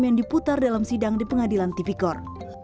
yang diputar dalam sidang di pengadilan tipikor